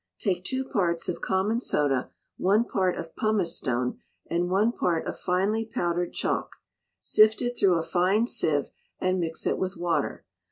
Take two parts of common soda, one part of pumice stone, and one part of finely powdered chalk; sift it through a fine sieve, and mix it with water.